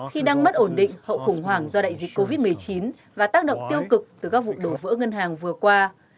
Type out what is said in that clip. khi đang mất ổn định hậu khủng hoảng do đại dịch covid một mươi chín và tác động tiêu cực từ các vụ đổ vỡ ngân hàng vừa qua